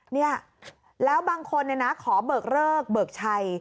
เนี่ยแล้วบางคนเนี่ยนะขอเบิกเลิกเบิกชัย